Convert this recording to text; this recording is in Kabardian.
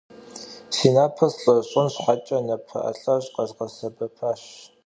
Si naper slheş'ın şheç'e nape'elheş' khezğesebepaş.